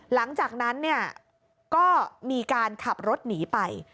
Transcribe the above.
หลังจากนั้นเนี่ยก็มีการขับรถหนีไป